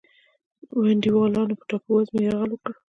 ونډالیانو پر ټاپو وزمې یرغل وکړ.